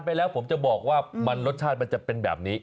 ไปแล้วผมจะบอกว่ามันรสชาติมันจะเป็นแบบนี้